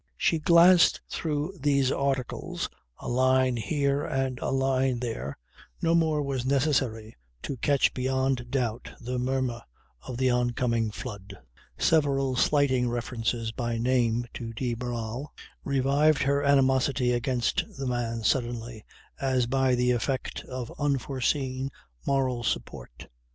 She glanced through these articles, a line here and a line there no more was necessary to catch beyond doubt the murmur of the oncoming flood. Several slighting references by name to de Barral revived her animosity against the man, suddenly, as by the effect of unforeseen moral support.